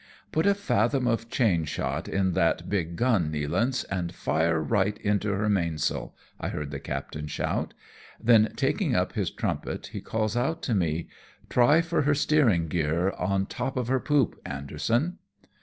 "Put a fathom of chain shot in that big gun, Nealance, and fire right into her mainsail/' I hear the captain shout. Then taking up his trumpet he calls out to me, " try for her steering gear on top of her poop, Anderson."